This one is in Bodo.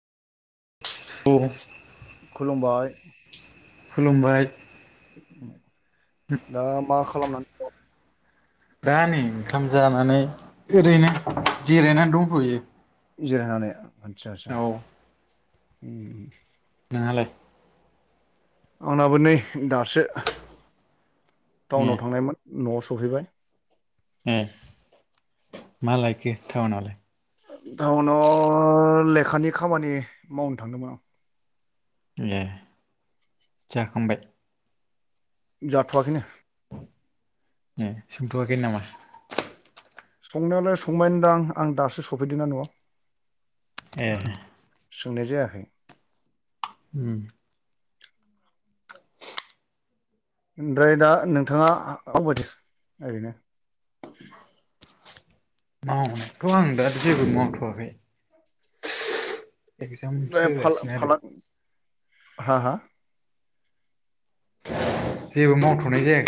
औ [inaudible] खुलुमबाय खुलुमबाय [inaudible] दा मा खालामनानै दं? दा नै ओंखाम जानानै ओरैनो जिरायनानै दंथ'यो। जिरनानै आदसा आदसा औ [inaudible] नोंहालाय? आंनाबो नै दासो ए टाउनाव [inaudible] थांनायमोन। न'आव सफैबाय ए [inaudible] मा लायखो टाउनावलाय? टाउनाव लेखानि खामानि मावनो थांदोंमोन आं। ए [inaudible] जाखांबाय? जाथ'वाखिनो। ए संथ'वाखै नामा? संनायालाय संबाय दां आं दासो सफैदों ना न'आव ए सोंनाय जायाखै। उम ओमफ्राय दा नोंथाङा [unintelligible] ओरैनो मावनायथ' आं दा जेबो मावथ'वाखै। एगजाम ओमफ्राय फाल सोगासिनो आरो फालां [inaudible] हा हा जेबो मावथ'नाय जाया